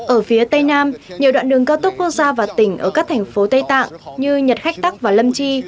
ở phía tây nam nhiều đoạn đường cao tốc quốc gia và tỉnh ở các thành phố tây tạng như nhật khách tắc và lâm chi